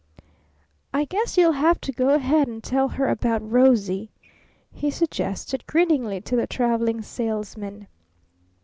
"I guess you'll have to go ahead and tell her about 'Rosie,'" he suggested grinningly to the Traveling Salesman.